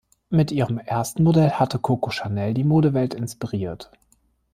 Mit ihrem ersten Modell hatte Coco Chanel die Modewelt inspiriert.